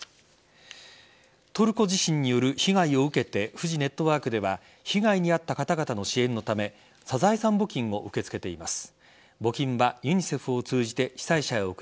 トルコ地震による被害を受けてフジネットワークでは被害に遭った方々の支援のためサザエさん募金を受け付けています。